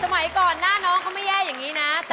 สมัยก่อนหน้าน้องเขาไม่แย่อย่างนี้นะ